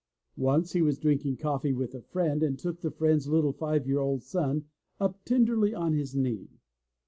Once he was drinking coffee with a friend and took the friend's little five year old son up tenderly on his knee.